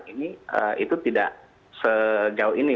ini itu tidak sejauh ini